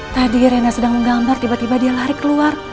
tadi rena sedang menggambar tiba tiba dia lari keluar